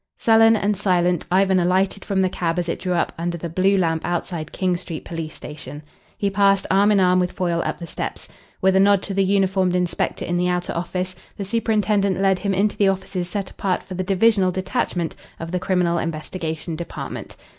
Sullen and silent, Ivan alighted from the cab as it drew up under the blue lamp outside King Street police station. He passed arm in arm with Foyle up the steps. With a nod to the uniformed inspector in the outer office, the superintendent led him into the offices set apart for the divisional detachment of the Criminal Investigation Department.